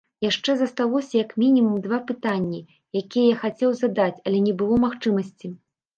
Яшчэ засталося як мінімум два пытанні, якія я хацеў задаць, але не было магчымасці.